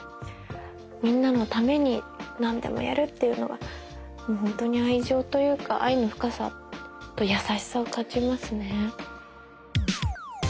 みんなのために何でもやるっていうのはホントに愛情というか愛の深さと優しさを感じますね。